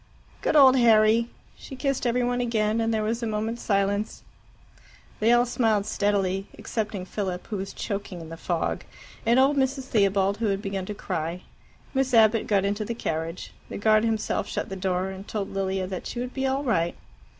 "Good old Harry!" She kissed every one again, and there was a moment's silence. They all smiled steadily, excepting Philip, who was choking in the fog, and old Mrs. Theobald, who had begun to cry. Miss Abbott got into the carriage. The guard himself shut the door, and told Lilia that she would be all right.